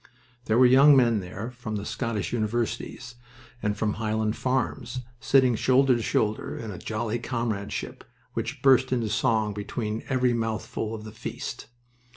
There were young men there from the Scottish universities and from Highland farms, sitting shoulder to shoulder in a jolly comradeship which burst into song between every mouthful of the feast.